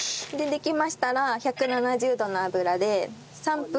できましたら１７０度の油で３分。